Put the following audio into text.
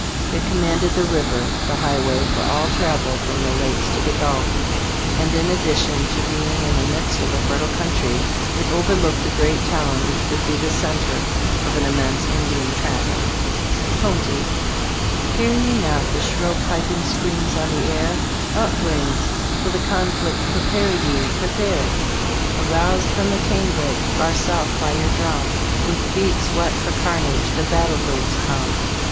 It commanded the river, the highway for all travel from the Lakes to the Gulf, and in addition to be ing in the midst of a fertile country, it overlooked the great town which would be the center of an immense Indian traffic. *PABKMAN : "La Salle," etc., p. 177. fPAKKMAH : "La Salle" etc., p. 178. Hear ye not the shrill piping sc earns on the air ? Up, Braves ! For the conflict prepare ye prepare ! Aroused from the canebrake, far south, by your drum, With beaks whet for carnage, the Battle Birds come.